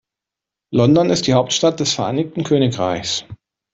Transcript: London ist die Hauptstadt des Vereinigten Königreichs.